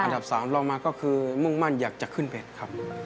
ดับ๓ลองมาก็คือมุ่งมั่นอยากจะขึ้นเพจครับ